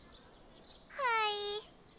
はい。